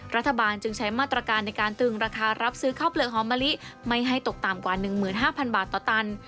รัฐบาลจึงใช้มาตรการในการตึงราคารับซื้อข้าวเปลือกหอมมะลิไม่ให้ตกต่ำกว่า๑๕๐๐บาทต่อตัน